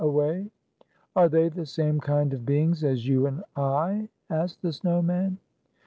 Away!" " Are they the same kind of beings as you and I ?" asked the snow man.